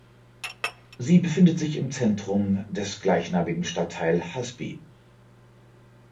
Sie befindet sich im Zentrum des gleichnamigen Stadtteil Husby.